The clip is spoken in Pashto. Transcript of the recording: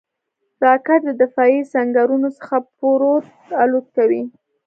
راکټ د دفاعي سنګرونو څخه پورته الوت کوي